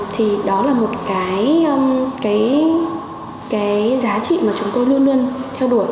thì đó là một cái giá trị mà chúng tôi luôn luôn theo đuổi